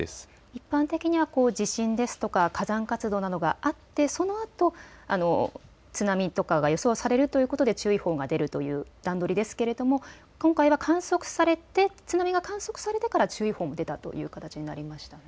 一般的には地震ですとか火山活動などがあって、そのあと津波とかが予想されるということで注意報が出るという段取りですけれど今回は津波が観測されてから注意報も出たという形になりましたね。